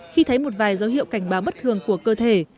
khi thấy một vài dấu hiệu cảnh báo bất thường của cơ thể